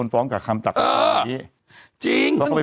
เป็นการกระตุ้นการไหลเวียนของเลือด